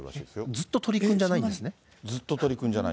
ずっと鳥くんじゃないんですよ。